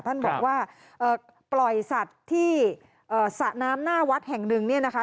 ท่านบอกว่าปล่อยสัตว์ที่สระน้ำหน้าวัดแห่งหนึ่งเนี่ยนะคะ